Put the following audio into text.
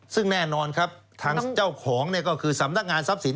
ซึ่งแน่นอนครับทางเจ้าของก็คือสำนักงานทรัพย์สิน